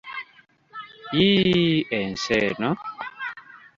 Yiiiii ensi eno!